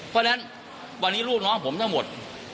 เพราะฉะนั้นวันนี้ลูกน้องผมทั้งหมด